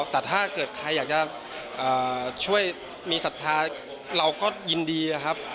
แต่ถ้าเกิดใครอยากจะช่วยมีศรัทธาเราก็ยินดีนะครับ